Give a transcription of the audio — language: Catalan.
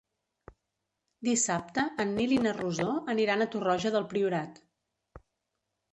Dissabte en Nil i na Rosó aniran a Torroja del Priorat.